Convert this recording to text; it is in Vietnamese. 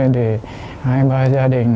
để hai ba gia đình